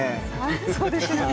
そうですよね。